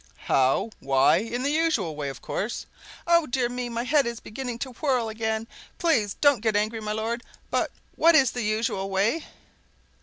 "How?—why, in the usual way, of course!" "Oh, dear me!—My head is beginning to whirl again! Please don't get angry, my lord, but what is the usual way?"